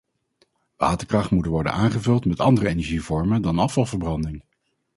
Waterkracht moet worden aangevuld met andere energievormen dan afvalverbranding.